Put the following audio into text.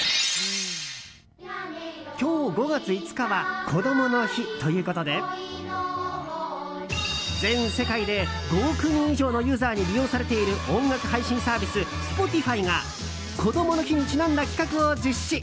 今日５月５日はこどもの日ということで全世界で５億人以上のユーザーに利用されている音楽配信サービスＳｐｏｔｉｆｙがこどもの日にちなんだ企画を実施。